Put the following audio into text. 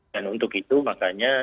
dan untuk itu makanya